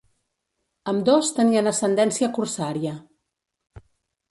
Ambdós tenien ascendència corsària.